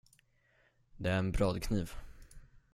Det är en brödkniv.